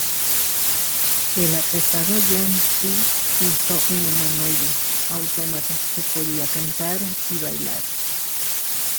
El artesano Yan Shi hizo un humanoide autómata que podía cantar y bailar.